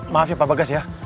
maafin pak bagas ya